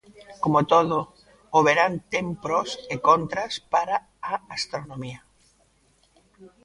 Como todo, o verán ten pros e contras para a astronomía.